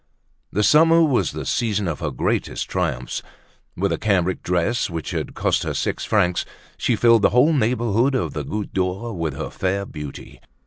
The summer was the season of her greatest triumphs. With a cambric dress which had cost her six francs she filled the whole neighborhood of the Goutte d'Or with her fair beauty.